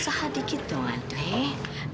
usaha dikit dong andre